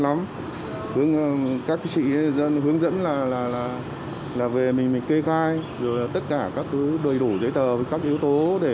lắm các vị trí dân hướng dẫn là về mình kê khai rồi tất cả các thứ đầy đủ giấy tờ các yếu tố để